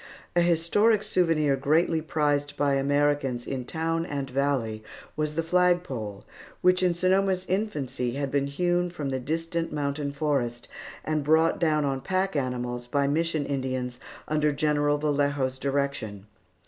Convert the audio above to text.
A historic souvenir greatly prized by Americans in town and valley was the flag pole, which in Sonoma's infancy had been hewn from the distant mountain forest, and brought down on pack animals by mission Indians under General Vallejo's direction.